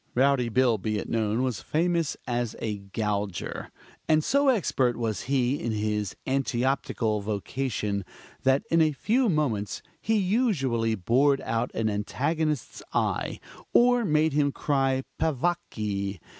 Rowdy Bill, be it known, was famous as a gouger, and so expert was he in his antioptical vocation, that in a few moments he usually bored out an antagonist's eyes, or made him cry peccavi.